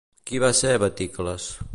Qui va ser Baticles?